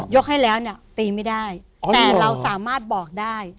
ให้แล้วเนี่ยตีไม่ได้แต่เราสามารถบอกได้